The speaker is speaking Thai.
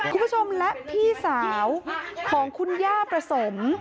คุณผู้ชมและพี่สาวของคุณย่าประสม